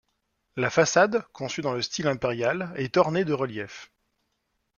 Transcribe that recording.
La façade, conçue dans le style impérial est ornée de reliefs.